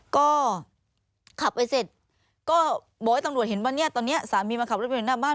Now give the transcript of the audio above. ก็ขับไปเสร็จก็บอกให้ตำรวจเห็นว่าเนี่ยตอนนี้สามีมาขับรถไปอยู่หน้าบ้าน